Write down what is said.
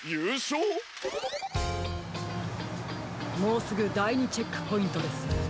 もうすぐだい２チェックポイントです。